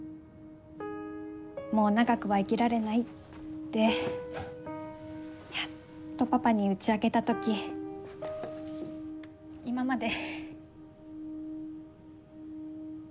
もう長くは生きられないってやっとパパに打ち明けた時「今まで」。